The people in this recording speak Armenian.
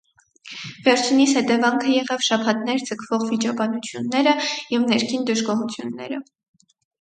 Վերջինիս հետևանքը եղավ շաբաթներ ձգվող վիճաբանությունները և ներքին դժգոհությունները։